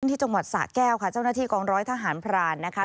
ที่จังหวัดสะแก้วค่ะเจ้าหน้าที่กองร้อยทหารพรานนะคะ